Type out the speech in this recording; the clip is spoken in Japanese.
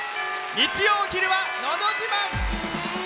日曜お昼は「のど自慢」。